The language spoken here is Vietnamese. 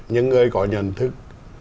những người có nhận thức